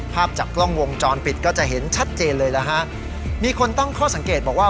ภาพจากกล้องวงจรปิดก็จะเห็นชัดเจนเลยนะฮะมีคนตั้งข้อสังเกตบอกว่า